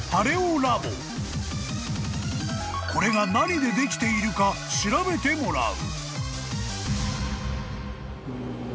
［これが何でできているか調べてもらう］